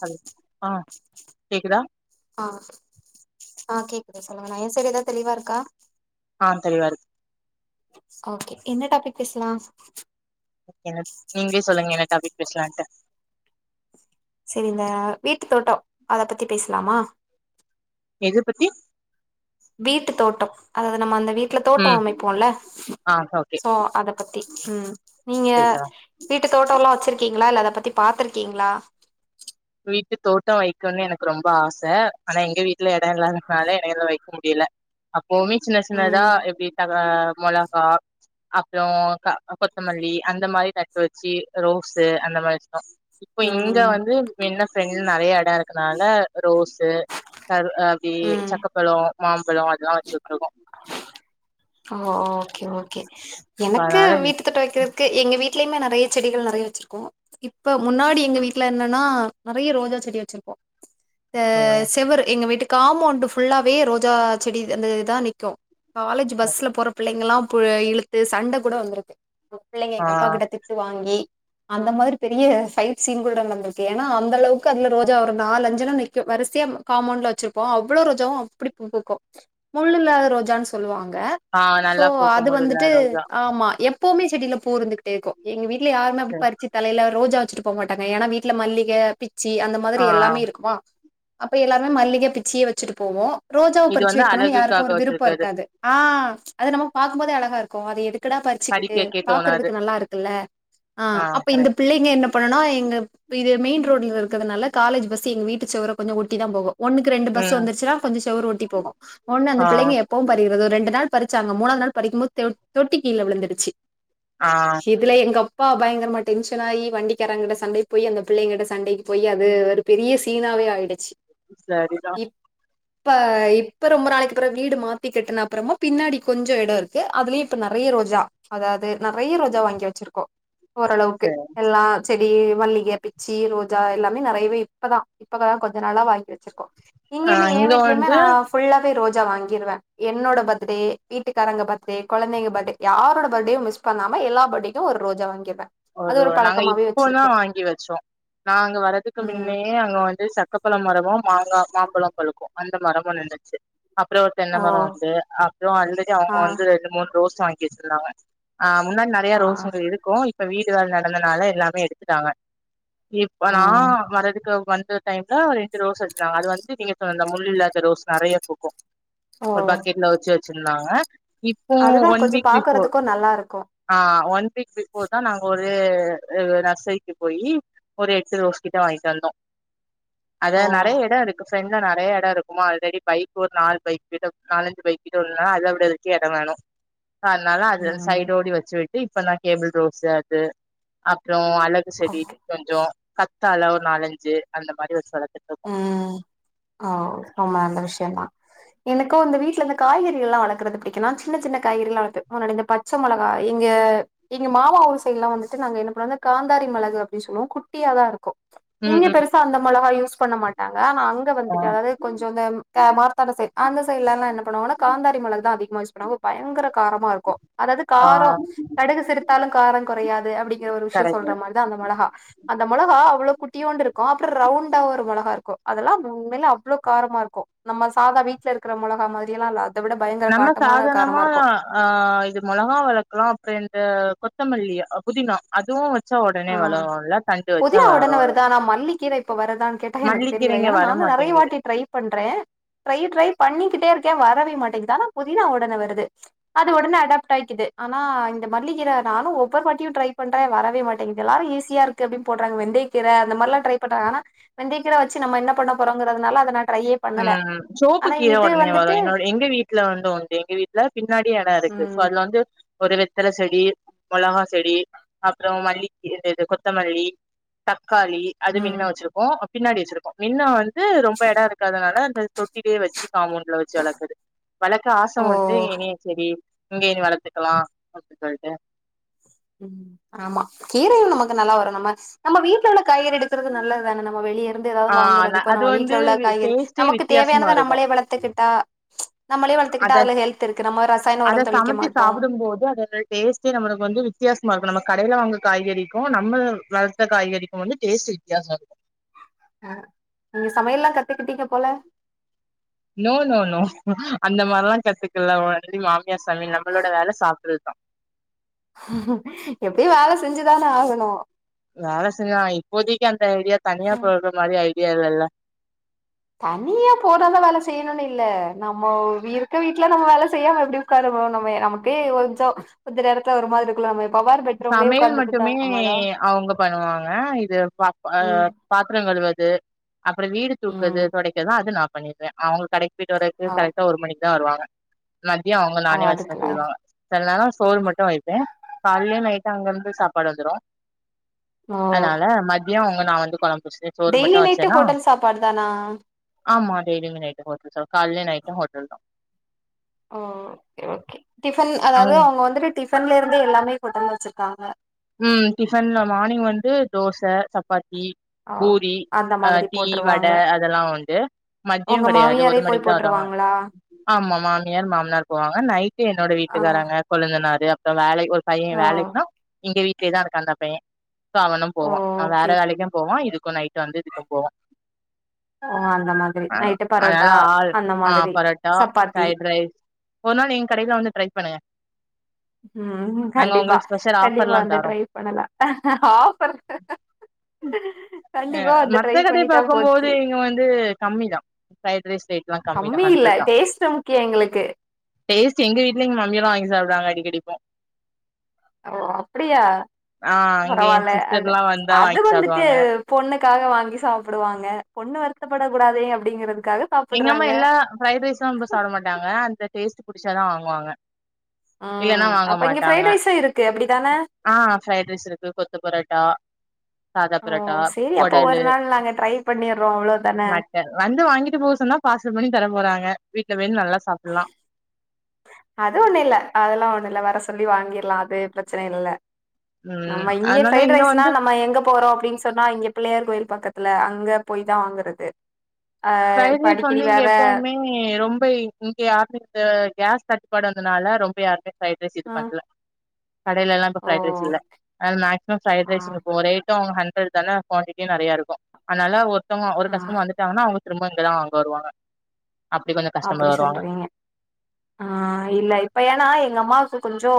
Hello ஆ கேக்குதா ஆ ஆ கேக்குதா சொல்லுங்க நா என் சைட் ஏதா தெளிவா இருக்கா ஆ தெளிவா இருக்கு ஓகே என்ன டாபிக் பேசலா என்ன நீங்களே சொல்லுங்க என்ன டாபிக் பேசலான்ட்டு சேரி இந்த வீட்டு தோட்டோ அத பத்தி பேசலாமா எது பத்தி வீட்டு தோட்டோ அதாது நம்ம அந்த வீட் வீட்ல தோட்டோ ம் அமைப்போல ஆ ஓகே சோ அத பத்தி ம் நீங்க பேசலா வீட்டு தோட்டோலா வெச்சிருக்கீங்ளா இல்ல அத பத்தி பாத்திருக்கீங்ளா வீட்டு தோட்டோ வெக்கணு எனக்கு ரொம்ப ஆச ஆனா எங்க வீட்ல எடோ இல்லாததுனால எனக்கு வெக் க்க முடில அப்போவுமே சின்ன சின்னதா ம் எப்டி த மொளகா அப்றோ க கொத்தமல்லி அந்த மாரி நட்டு வெச்சி ரோஸ்சு அந்த மாரி தா இப்ப இங்க ம் வந்து என்ன ஃப்ரெண்ட்ல நெறைய எடோ இருக்கதுனால ரோஸ்சு கரு அப்டி ம் சக்கப்பழோ மாம்பழோ அதெல்லா வெச்சி விட்டிருக்கோ ஓ ஓகே ஓகே சோ எனக்கு வீட்டு எடுத்துட் வைக்கிறக்கு எங்க வீட்லியுமே நறைய செடிகள் நறைய வச்சிருக்கோ இப்ப முன்னாடி எங்க வீட்ல என்னன்னா நறைய ரோஜா செடி வச்சிருப்போ இந்த அதனால செவுரு எங்க வீட்டுக்கு காமௌண்ட ஃபுல்லாவே ரோஜா செடி அந்த இதா நிக்கு காலேஜ் பஸ்ல போற பிள்ளங்கல்லா இழுத்து சண்ட கூட வந்துருக்கு பிள்ளைங்க ஆ எங்க அப்பா கிட்ட திட் திட்டு வாங்கி அந்த மாரி பெரிய ஃபைட் சீன் கூட நடந்துருக்கு ஏனா அந்த அளவுக்கு அதுல ரோஜா ஒரு நாளு அஞ்சுலா நிக்கு வரிசியா காமௌண்ட்ல வச்சுருப்போ அவ்ளோ ரோஜாவு அப்டி பூ பூக்கு முள்ளு இல்லாத ரோஜானு சொல்லுவாங்க ஆ சோ நல்லா பூக்கும் அது முல்லுள்ள வந்துட்டு ரோஜா ஆமா எப் எப்போமே செடியில பூ இருந்துகிட்டே இருக்கு எங்க வீட்ல யாருமே அப்டி சரி பறிச்சிட் தலைல ரோஜா வச்சுட்டு போமாட்டாங்க ஏனா வீட்ல மல்லிக பிச்சி அந்த ஆ மாரி எல்லாமே இருக்குமா அப்ப எல்லாருமே மல்லிக பிச்சியே வச்சுட்டு போவோ ரோஜாவ இது பறிச்சு வந்து வெக்கணுன் யாருக்கு அழகுக்காக ஒரு விருப்போ வச்சிருக்கது இருக்காது ஆ அத நம்ம பாக்கும் போது அழகா இருக்கு அது எ துக்குடா பறிச்சுக்கிட்டு பறிக்கக்கே தோணாது பாக்குறதுக்கு நல்லா இருக்குல்ல ஆ அப்ப இந்த பிள்ளைங்க என்ன இப்ப என்னனா எங்க இது மெயின் ரோடு இருக்கிறதுனால காலேஜ் பஸ் எங்க வீட்டு செவர கொஞ்சோ ஒட்டி தா போகு ஒண்ணுக்கு ரெண்டு பஸ்சு ம் வந்துருச்சுனா கொஞ்சோ செவர ஒட்டி போகு ஒன்னு அந்த ஆ பிள்ளைங்க எப்போ பறிகிறது ஒரு ரெண்டு நாள் பறிச்சாங்க மூணாவது நாள் பறிக்கும்போது தொ தொட்டி கீழ விழுந்துடுச்சு ஆ இதுல எங்க அப் பா பயங்கரமா டென்ஷன் ஆகி வண்டிக்காரங்கிட்ட சண்டைக்கு போய் அந்த பிள்ளைங்கிட்ட சண்டைக்கு போய் அது பெரிய சீனாவே ஆயிடுச்சு சரிதா இப்ப இப்ப ரொம்ப நாளைக்குப்பிறவு வீடு மா த்தி கட்டுன அப்புறமா பின்னாடி கொஞ்ச இடோ இருக்கு அதுலியு இப்ப நறைய ரோஜா அதாவது நறைய ரோஜா வாங்கி வச்சிருக்கோ ஓரளவுக்கு சரி எல்லா செடி மல்லிக பிச்சி ரோஜா எல்லாமே நெறையவே இப்பதா இப்பதா கொஞ்ச நாளா வாங்கி வச்சிருக்கோ ஆ இங்கியுமே என் இங்க வீட்லியுமே வந்து நா ஃபுல்லாவே ரோஜா வாங்கிருவே என்னோட பர்த்டே வீட்டுக்காரங்க பர்த்டே கொழந்தைங்க பர்த்டே யாரோட பர்த்டேயு மிஸ் பண்ணாம எல்லா பர்த்டே ஏதோ ஒர் ரோஜா வாங்கிர்வ ஒரு நாங்க இப்போதா வாங்கி வச்சோ நா அங்க வர்றதுக்கு ம் முன்னே அங்க வந்து சக்கப்பழ மரமு மாங்க மாம்பழோ பழுக்கு அந்த மரமு நின்னுச்சி அப்றோ ஒரு ஓ தென்னைமரோ உண்டு அப்றோ அல்ரெடி அவுங்க ஆ வந்து ரெண்டு மூணு ரோஸ் வாங்கி வச்சிருந்தாங்க அ முன்னாடி நறைய ஆ ரோஸ்ஸுங்க இருக்கு இப்ப வீட்டு வேல நடந்தனால எல்லாமே எடுத்துட்டாங்க இப்ப நா ம் வரத்துக்கு வந்து டைம்ல ஒரு ரெண்டு ரோஸ் வச்சிருந்தாங்க அது வந்து நீங்க இப்ப இந்த முள் இல்லாத ரோஸ் நறைய பூக்கு ஓ ஒரு பக்கெட்ல வச்சு வச்சிருந்தாங்க இப்போ அதுதான் ஒன் கொஞ்சம் வீக் பிஃபோர் பாக்குறதுக்கும் நல்லா இருக்கும் அ ஒன் வீக் பிஃபோர் தா நாங்க ஒரு நர்சரிக்கு போயி ஒரு எட்டு ரோஸ் கிட்ட வாங்கிட்டு வந்தோ அதா ஓ நறைய இட இருக்கு ஃப்ரெண்ட்ல நெறைய இடம் இருக்குமா ஆல்ரெடி பைக் ஒரு நாலு பைக் கிட்ட நாலஞ்சு பைக்கிட்ட நின்னா அத விட நிக்க இட வேணு அதனால அது ம் சைடோடி வச்சு விட்டு இப்பதா டேபிள் ரோஸ் அது அப்றோ அழ குச்செடி ஓகே கொஞ்சோ கத்தால ஒரு நாலஞ்சு அந்த மாரி வச்சி வளத்துட் ம் அ ரொம்ப நல்ல விஷ்யந்தா எனக்கு இந்த வீட்ல இந்த காய்கறிகள்லா வளக்கறது பிடிக்குன்னா சின்ன சின்ன காய்கறிகள்லா வளப்ப முன்னாடி இந்த பச்ச பச்ச மொளகா இங்க எங்க மாமா ஊர் சைட்லா வந்துட்டு நாங்க என்ன பண்ணுவோ காந்தாரி மிளகு அப்டின்னு சொல்லுவோ குட்டியாதா இருக்கு ம் இங்க ம் பெருசா அந்த மொளகா யூஸ் பண்ண மாட்டாங்க ஆனா அங்க ஆ வந்துட்டு அதாது து கொஞ்சோ இந்த மார்த்தாண்டோ சைடு அந்த சைட்ல்லல்லா என்ன பண்ணுவாங்கனா காந்தாரி மிளகு தா அதிகமா யூஸ் பண் ணவோ பயங்கர காரமாருக்கு அதாவது ஆ காரோ கடுகு சிரித்தாலு காரோ கொறையாது அப்படிங்கிற ஒரு விஷ்யோ கரெக்ட் சொல்ற மாரி தா அந்த மொளகா அந்த மொளகா அவ்ளோ குட்டியோன்டு இருக்கு அப்புறோ ரவுண்டாவுருக் மொளகாருக்கு அதெல்லா உண்மையிலே அவ்ளோ காரமாருக்கு நம்ம சாதா வீட்லருக்குற மொளகா மாதிரியெல்லா இல்லாத் அத விட பயங்கர நம்ம காட்டமான சாதாரணமா காரமாருக்கு ஆ இது மொளகா வளக்கலா அப்புறோ இந்த கொத்தமல்லி புதினா அதுவு வச்சா உடனே ஆ வளருல்ல தண்டு வச்சா பொதினா வளரு ஒடனே வருதா ஆனா மல்லி கீரை இப்ப வருதான்னு கேட்டா எனக்கு தெரி முடியல மல்லிக்கீரைங்க ஏன்னா வர நானு நறைய மாட்டேங்குது வாட்டி ட்ரை பண்றேன் ட்ரை ட்ரை பண்ணிக்கிட்டே இருக்கே வரவே மாட்டேங்கிது ஆனா புதினா ஒடனே வருது அது ஒடனே அடாப்ட் ஆயிக்கிது ஆனா இந்த மல்லிக்கீரை நானு ஒவ்வொரு வாட்டியு ட்ரை பண்றே வரவே மாட் கிது எல்லாரு ஈசியாருக்கு அப்படின் போட்றாங்க வெந்தையக்கீர அந்த மாரிலா ட்ரை பண்றாங்கா ஆனா வெந்தயக்கீரை வச்சி நம்ம என்ன பண்ண போறோங்கறதுனால அத நா ட்ரையே ம் பண்ணல ம் சோவப்பு ஆனா கீரை இது ஒடனே வரு வந்துட்டு என்னோட எங்க வீட்ல வந்து உண்டு எங்க வீட்ல பின்னாடி எடோருக்கு பெருசா ம் வளந்து ஒரு வெத்தல செடி மொளகா செடி அப்புறோ மல்லிக்கி இது கொத்தமல்லி தக்காளி அது ம் மின்ன வச்சிருக்கோ அ பின்னாடி வச்சிருக்கோ மின்ன வந்து ரொம்ப எடோருக் அதனால அந்த தொட்டிலயே வச்சு காம்பவுண்டல வச்சு வளக்குது வளர்க்க ஆச ஓ வந்து இனி வெங்காய செடி இங்கயே நீ வளத்துக்கலா அப்பிடின்னு சொல்லிட்டு ம் ஆமா கீரையு நமக்கு நல்லா வருனும்மா நம்ம நம்ம வீட்ல உள்ள காய்கறி எடுத் துறது நல்லது தான நம்ம வெளியருந்து ஏதாவது ஆ வாங்குறதுக்கு அது நம்ம வந்து வீட்ல உள்ள காய்கறி டேஸ்ட்டே நமக்கு வித்தியாசமா தேவையானத நம்மளே இருக்கு வளத்துக்கிட்டா நம்மளை அத வளத்துக்கிட்டா அதுல ஹெல்துருக்கு நம்ம ரசாயன ஒரோ தெளிக்க மாட்டோ [unintelligible] போது அது ரெட் டேஸ்ட்டே நம்மளுக்கு வந்து வித்தியாசமாருக்கு நம்ம கடையில வாங்க காய்கறிக்கு நம்ம வளத்த காய்கறிக்கு வந்து டேஸ்ட்டு வித்தியாசோருக் அ நீங்க சமையல்லா கத்துக்கிட்டீங்க போல நோ நோ நோ அந்த மாரிலா கத்துக்கல [unintelligible] மாமியார் சமயல் நம்மளோட வேல சாப்புட்றதுதா ம் எப்படி வேல செஞ்சுதானே ஆகணு வேல செஞ்சா இப்போதைக்கி அந்த ஐடியா தனியா போயிட்ற மாரி ஐடியா இல்லல்ல தனியா போனா தா வேல செய்யணுன்னு இல்ல நம்மோ இருக்க வீட்ல நம்ம வேல செய்யாம எப்பிடி உட்காரும் போத் நம்ம நமக்கு கொஞ்சோ கொஞ்ச நேரத்துல ஒரு மாதிரி இருக்குல்ல நம்ம எப்பவாரு பெட்ரூம்லயே சமையல் உட்காந்துட்டுதா மட்டுமே நம்மதா அவுங்க பண்ணுவாங்க இது பாப்பா ஆ ம் பாத்தரோ கழுவது அப்புறோ வீடு ம் கூட்டுறது தொடைக்கறது அது நா பண்ணிருவே அவுங்க கடைக் கு போயிட்டு ஓ வரதுக்கு கரெக்டா ஒரு மணிக்கு தா வருவாங்க மத்தியோ அவங்க ஓ நானே வச்சர்ன்னு அதுக்குல சொல்லிடுவாங்க செல நேரோ சோறு மட்டு வைப்பே குள்ளையு நைட்டு அங்கருந்து சாப்பாடு வந்துரு ஓ அதனால மதியோ அவங்க நா வந்து கொழம்பு வச்சுட்டு சோறு டெய்லி மட்டு நைட்டு வச்சேன்னா ஹோட்டல் சாப்பாடு தானா ஆமா டெய்லி நைட்டு ஹோட்டல் சாப் காலயு night hot oh okay okay tiffin அதாவது அங்க அவங்க வந்துட்டு டிஃபன்லேருந்து எல்லாமே ஹோட்டல் வச்சிருக்காங்க ம் டிஃபன்ல மார்னிங் வந்து தோச சப்பாத்தி ஓ பூரி அந்த அ மாதிரி டீ போட்ருவாங்க வடை அதெல்லா உண்டு மதியோ கெடையாது ஒரு மணிக் போட்டுருவாங்களா ஆமா மாமியார் மாமனார் போவாங்க நைட்டு என்னோட ஆ வீட்டுக்காராங்க கொழுந்தனாரு அப்புற வேலை ஒரு பையன் ஓ வேலைக்குனா எங்க வீட்லயேதா இருக்கா அந்த பைய இப்ப அவனு ஓ போவா அவ வேற ஓகே வேலைக்கு போவா இதுக்கு நைட்டு வந்து இதுக்கு போவா ஓ அந்த மாதிரி அ நைட்டு பரோட்டா அதனால ஆள் அந்த ஆ மாதிரி பரோட்டா சப்பாத்தி ஃப்ரைட் ரைஸ் ஒரு நாள் எங்க கடையில வந்து ட்ரை பண்ணுங்க ம் நாங்க கண்டிப்பா உங்களுக்கு ஸ்பெஷல் கண்டிப்பா ஆஃபர்லா வந்து தாரோ ட்ரை பண்ணலா ஆஃபர் அ கண்டிப்பா வந்து மத்த ட்ரை கடைய பண்ணிட்டா பாக்கும்போது போச்சி இங்க வந்து கம்மி தா ஃப்ரைட் ரைஸ் ரேட்லா தா கம்மி இல்ல ஹண்ட்ரட் தா டேஸ்ட்டு முக்கிய எங்களுக்கு டேஸ்ட் எங்க வீட்ல எங்க மம்மி எல்லா வாங்கி சாப்டுறாங்க அடிக்கடி இப்போ ஓ அப்டியா ஆ அங்க எ பரவாயில்ல அது சிஸ்டர்லா வந்தா அது வாங்கி வந்துட்டு சாப்டுவாங்க பொண்ணுக்காக வாங்கி சாப்டுவாங்க பொண்ணு வருத்தப்பட கூடாதே அப்டிங்றதுக்காக எங்கம்மா எல்லா ஃப்ரைட் ரைஸு ரொம்ப சாப்ட மாட்டாங்க அந்த டேஸ்ட் புடிச்சாதா வாங்குவாங்க இல்லன்னா ம் வாங்க அப்ப இங்க மாட்டாங்க ஃப்ரைட் ரைஸூ இருக்கு எப்டி ஆ ஃப்ரைட் ரைஸ் இருக்கு கொத்து பரோட்டா சாதா ஓ பரோட்டா சேரி அப்ப கொடலு ஒரு நாள் நாங்க ட்ரை பண்ணிர்றோ அவ்ளோதான மட் வந்து வாங்கிட்டு போ சொன்னா பார்சல் பண்ணி தர போறாங்க வீட்டுல போயி நல்லா சாப்புல்லா அது ஒண்ணு இல்ல அதெல்லா ஒண்ணு இல்ல வர சொல்லி வாங்கிர்லா அது பிரச்சன இல்ல ம் நம்ம இங்கே அதனால ப்ரைட் இங்க ரைஸ்னா வந்து நம்ம எங்க போறோ அப்டின்னு சொ ன்னா இங்க பிள்ளையார் கோயில் பக்கத்துல அங்க போய் தா வாங்குறது ஆ இப்ப அடிக்கடி வேற இங்கை ரொம்ப இங்க யாருமே இந்த கேஸ் தட்டுப்பாடு வந்தனால ரொம்ப யாருமே ஃப்ரைட் ரைஸ் இது ஆ பண்ணல கடைலல்லா இப்ப ஓ ஃப்ரைட் ரைஸ் இல்ல அன மேக்சிமம் ஃப்ரைட் ஆ ரைஸ் [unintelligible] இப்ப அவுங்க ஹண்ரட் தான குவான்டிட்டி நெறையா இருக்கு அதனால ஒருத்தங்க ஒரு ஆ கஷ்டமர் வந்துட்டாங்கன்னா அவுங்க திரும்ப இங்கலா வாங்க வருவாங்க அப்டி கொஞ்ச கஸ்டமர் அப்டி வருவாங்க சொல்றீங்க ஆ இல்ல இப்ப ஏன்னா எங்க அம்மாவுக்கு கொஞ்சோ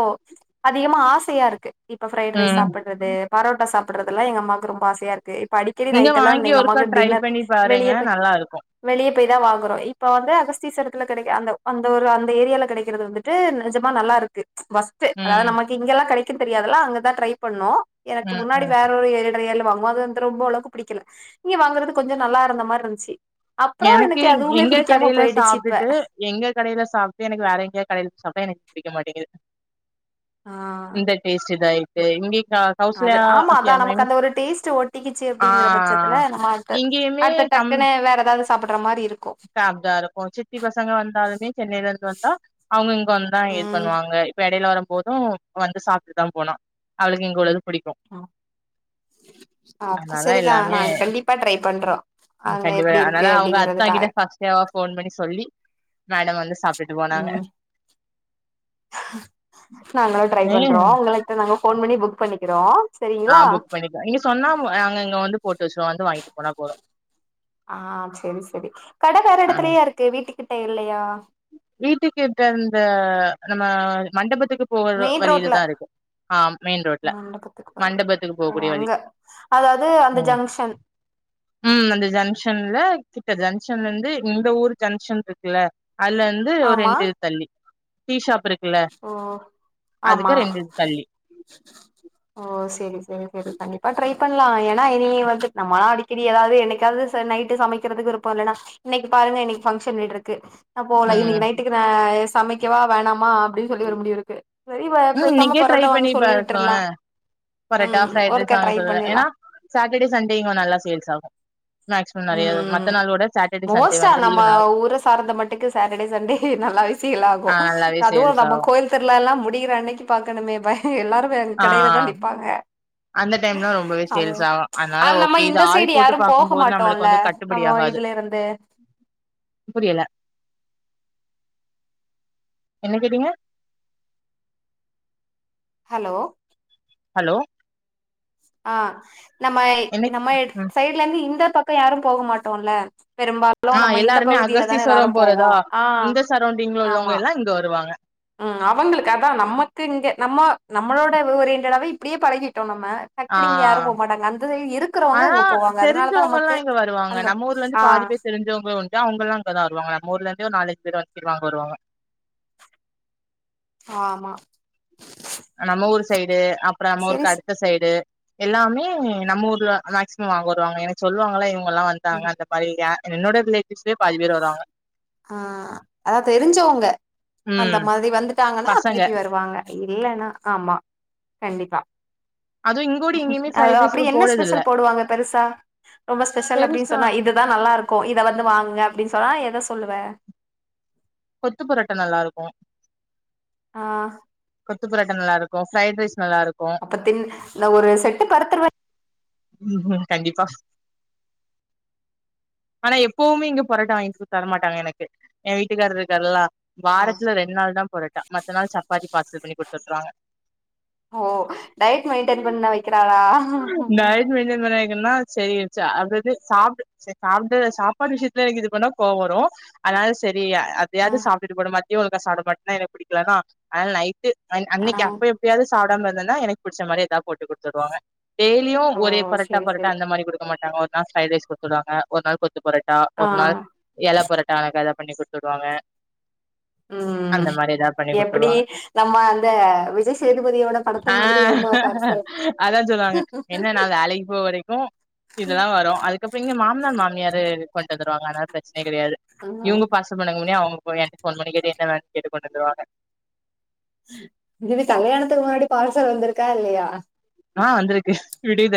அதிகமா ஆசையா இருக்கு இப்ப ஃப்ரைட் ரைஸ் ம் சாப்பிடுறது பரோட்டா சாப்படுறதுளா எங்க அம்மாவுக்கு ரொம்பஆசையா இருக் க்கு இப்ப அடிக்கடி இங்க நைட் எல்லா வாங்கி இருந்து எங்க ஒருக்கா அம்மாவுக்கு ட்ரை டின்னர் பண்ணி பாருங்க வெளியே போய் நல்லா இருக்கு வெளியே போய் தா வாங்குறோ இப்ப வந்து [unintelligible] அந்த அந்த ஒரு அந்த ஏரியில கெடக்கிறது வந்து நெஜமா நல்லா இருக்கு அதாது ம் நமக்கு இங்கெல்லா கெடைக்கு தெரியாதுல்லா அங்கதா ட்ரை பண்ணோ எனக்கு ம் முன்னாடி ம் வேற ஒரு [unintelligible] வாங்குவ அது வந் ரொம்ப அளவுக்கு புடிக்கல இங்க வாங்குறது கொஞ்ச நல்லா இருந்த மாதிரி இருந்துச்சு அப்றோ எனக்கு அதுவுமே எங்க புடிக்காம கடையில சாப்ட்டுட்டு எங்க கடையில சாப்ட்டு எனக்கு வேற எங்கேய கடையில சாப்ட்டா எனக்கு புடிக்க மாட்டேங்குது ஆ டேஸ்ட்டு இதாய்ட்டு இங்கேக்கா அது ஆமா அதா நமக்கு அந்த ஒரு டேஸ்ட் ஒட்டிக்கிச்சு ஆ அப்டிங்ற பட்சத்துல நம்ம அடுத்த இங்கேயுமே அடுத்தடுத் டக்குனு வேற எதாது சாப்புட்ற மாரி இருக்கு டா இருக்கு சித்தி பசங்க வந்தாலுமே சென்னைல இருந்து வந்தா அவுங்க வந்தா இது பண்ணுவாங்க இப்ப எடையில வரும் போது வந்து சாப்ட்டு தா போனா அவளுக்கு இங்குல்ளது புடிக்கு ம் அப்ப அதனால சரிதா நா எல்லாமே இத கண்டிப்பா ட்ரை பண்றோ அங்க கண்டிப்பா எப்டி இருக்கு அதனால அவுங்க அத்தா அப்டிங்கறதுக்காக இங்கதா [unintelligible] ஃபோன் பண்ணி சொல்லி மேடம் வந்து சாப்ட்டுட்டு போனாங்க ம் நாங்களு ட்ரை நீ பண்றோ உங்கள்ட்ட நாங்க ஃபோன் பண்ணி புக் பண்ணிக்கிறோ ஆ சரிங்களா புக் பண்ணிக்லா நீங்க சொன்னா நாங்க இங்க வந்து போட்டு வச்ருவோ வந்து வாங்கிட்டு போனா போது ஆ சரி சரி கட வேற ஆ எடத்துலயா இருக்கு வீட்டு கிட்ட இல்லையா வீட்டுக்கிட்ட இருந்த நம்ம மண்டபத்துக்கு போகற மெயின் வழியில ரோட்ல தா இருக்கு ஆ மெயின் ரோட்ல மண்டபத்துக்கு போற மண்டபத்துக்கு ஓ போகக்கூடிய வழி அங்க அதாவுது அந்த ம் ஜங்ஷன் ம் அந்த ஜங்ஷன்ல கிட்ட ஜங்ஷன்ல இருந்து இந்த ஊர் ஜங்ஷன் இருக்குல்ல அதுல இருந்து ஒரு ஆமா ரெண்டுயிது தள்ளி டீஷாப் இருக்குல்ல ஓ ஆமா அதுக்கு ரெண்டுயிது தள்ளி ஓ சரி சரி சரி கண்டிப்பா ட்ரை பண்லா ஏனா இனி வந்துட்டு நம்மலா அடி கிடி ஏதாவுது என்னைக்காவுது நைட்டு சமைக்கிறதுக்கு விருப்ப இல்லன்னா இன்னக்கி பாருங்க இன்னக்கி பங்க்ஷன் வீடு இருக்கு நா போல ம் இன்னிக்கு நைட்டுக்கு நா சமைக்கவா வேணாமா அப்டின்னு சொல்லி ஒரு முடிவு இருக்கு சரி வ ம் பேசாம இன்னக்கே ட்ரை பரோட்டா வாங்க பண்ணி சொல்லி விட்டுர்லா பாருங்களே பரோட்டா ம் ஃப்ரைட் ரைஸ் ஒருக்கா வாங்க ட்ரை குள்ள பண்ணிர்லா ஏனா சாட்டடே சண்டே இங்க நல்லா சேல்ஸ் ஆகு மேக்சிமம் நெறையா ம் மத்த நாள் வுட சாட்டர்டே சண்டே வந்து லீவ் நாள் சாட்டடே சண்டே நல்லாவெ சேல் ஆகு ஆ நல்லாவே அதுவு சேல்ஸ் நமக்கோ ஆகு கோயில் திருளால்லா முடியிற அன்னிக்கு பாக்குணுமே பய எல்லாரு போய் அந்த கடையில ஆ தா நிப்பாங்க அந்த டைம்ல ரொம்பவே அது சேல்ஸ் ஆகும். அதனால அது நம்ம ஓகே இது இந்த ஆள் சைடு போட்டு யாரு போக பாக்கும்போது நம்மளுக்கு மாட்டோல்ல வந்து கட்டுப்படி நம்ம ஆகாது. இதுல இருந்து புரியல என்ன கேட்டீங்க ஹலோ ஹலோ ஆ நம்ம என்ன நம்ம ம் சைட்ல இருந்து இந்த பக்க யாரு போக மாட்டோல பெரும்பால் அவ்ளோ ஆ நம்ம இந்த எல்லாருமே பகுதில தான எல்லாரு அகஸ்தீஸ்வரம் போவோ ஆ ஆமா எங்க இருந்து வருவாங்க ம் அவங்களுக்கு அதா நமக்கு இங்க நம்ம நம்மளோட ஓரியண்ட்டாவே இப்டியே பழகிட்டோ நம்ம ஆ டக்குனு இங்க யாரு போக மாட்டாங்க அந்த சைடு இருக்கிறவங்க ஆனா அங்க போவாங்க அதனால தா தெரிஞ்சவங்கல்லா நமக்கு இங்க வருவாங்க. அந்த நம்ம ஊர்ல இருந்து ஆ பாதி பேர் தெரிஞ்சவங்க உண்டு அவங்கெல்லா அங்க தா வருவாங்க நம்ம ஊர்ல இருந்து ஒரு நாலஞ்சு பேர் [unintelligible] ஆமா நம்ம ஊர் சைடு அப்றோ நம்ம சரி ஊருக்கு ஸ்- அடுத்த சைடு எல்லாமே நம்ம ஊர்ல மேக்சிமம் வாங்க வருவாங்க எனக்கு சொல்லுவாங்கள்ள இவுங்க எல்லா ம். வந்தாங்க அந்த அவிங்க என்னோட ரிலேவ்டிஸ் பாதி பேர் வருவாங்க ஆ அதா தெரிஞ்சவங்க ம் அந்த மாதிரி வந்துட்டாங்கன்னா பசங்க திருப்பி வருவாங்க இல்லன்னா ஆமா கண்டிப்பா அதுவு இங்கோடி எங்கேயுமே அ ஃப்ரைட் ரைஸ் அப்டி இப்ப என்ன போடுறது இல்ல ஸ்பெஷல் போடுவாங்க பெருசா ரொம்ப ஸ்பெஷல் அப்டின்னு பெருசா சொன்னா இதுதா நல்லா இருக்கு க்கு இத வந்து வாங்குங்க அப்டின்னு சொன்னா எதை சொல்லுவே கொத்து புரோட்டா நல்லா இருக்கு ஆ கொத்து புரோட்ட நல்லா இருக்கு பிரைட் ரைஸ் நல்லா இருக்கு அப்பத்தின் இந்த ஒரு செட்டு படுத்துருவ ம் கண்டிப்பா ஆனா எப்பவுமே இங்க புரோட்ட வாங்கிட்டு தரமாட்டாங்க எனக்கு ஏ வீட்டுக்கார் இருக்காருல்ல ஆ வாரத்துல ரெண்டு நாள் தா புரோட்டா மத்த நாள் சப்பாத்தி பார்சல் பண்ணி குடுத்துவுட்ருவாங்க ஓ டயட் மெயின்டென் பண்ண வைக்கிறாளா டயட் மெயிடன் பன்னா வைக்கிலனா சரி சாப்டு சாப்ட்டுட்டு சரி சாப்பிடு சாப்பாடு விஷயத்துல எனக்கு இது பண்ணா கோவோ வரு அதனால செரி ஆ எதாவது சாப்பிட்டு போடமாட்டியோ டீ உருக்க சாமாட்டியா எனக்கு பிடிக்கலனா ஆனால நைட்டு ஆ அன்னக்கி அப்பியை எப்பயாவது சாப்டாம இருந்தேனா எனக்கு புடிச்ச மாரி ஏதா போட்டு குடுத்துடுவாங்க டெய்லியு ஓ ஒரே பொரட்டா செரி பொரட்டா செரி அந்த மாரி குடுக்க மாட்டாங்க ஒரு நாள் ஃப்ரைட் ரைஸ் குடுத்துடுவிடுவாங்க ஒரு நாள் கொத் து பொரட்டா ஆ ஒரு நாள் எல பொரட்டா எனக்கு அத பண்ணி குடுத்து விடுவாங்க ம் ம் எப்டி நம்ம அந்த விஜய் சேதுபதியோட ஆ படத்த மாதிரி வருமா பார்சல் அதா சொல்லுவாங்க என்ன நா வேலைக்கு போற வரைக்கு இதெல்லா வரு அதுக் கப்றோ இங்க மானார் மாமியாரு கொண்டு வந்துருவாங்க அதுனால பிரச்சனையே கெடையாது ஆ இவுங்க ஃபர்ஸ் [unintelligible] பண்ணதுக்கு முன்னியு அவுங்க எனக்கு ஃபோன் பண்ணி கேட்டு என்ன வேணு கேட்டு கொண்டு வந்துருவாங்க திவி கல்யாணத்துக்கு முன்னாடி பார்சல் வந்துருக்கா இல்லையா ஆ வந்திருக்கு விடு இத